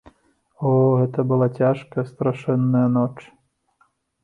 О, гэта была цяжкая, страшэнная ноч.